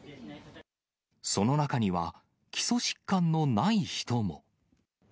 その中には、基礎疾患のない人も。